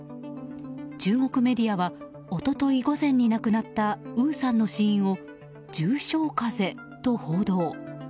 中国メディアは一昨日午前に亡くなったウーさんの死因を重症風邪と報道。